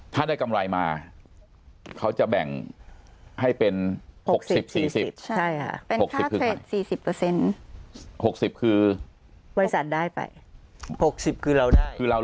ถ้าได้กำไรมาเขาจะแบ่งให้เป็น๖๐๔๐เป็นค่าเทรด๔๐๖๐คือ